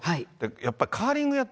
やっぱりカーリングやっ